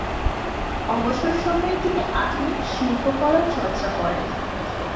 অবসর সময়ে তিনি আধুনিক শিল্পকলা চর্চা করেন।